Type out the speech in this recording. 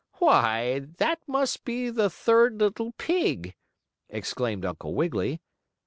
"Why, that must be the third little pig!" exclaimed Uncle Wiggily.